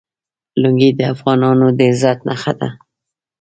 لنګۍ د افغانانو د عزت نښه ده.